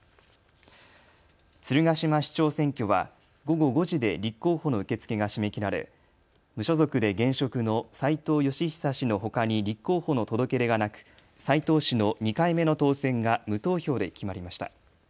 鶴ヶ島市長選挙は午後５時で立候補の受け付けが締め切られ無所属で現職の斉藤芳久氏のほかに立候補の届け出がなく斉藤氏の２回目の当選が無投票で決まりました。